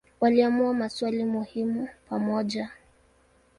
Waliamua maswali muhimu pamoja.